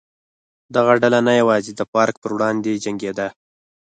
دغه ډله نه یوازې د فارک پر وړاندې جنګېده.